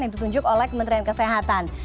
yang ditunjuk oleh kementerian kesehatan